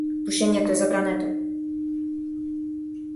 Пушењето е забрането.